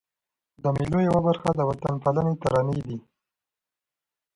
د مېلو یوه برخه د وطن پالني ترانې يي.